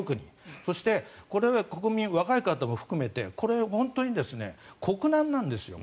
そして、これは国民、若い方も含めてこれは本当に国難なんですよ。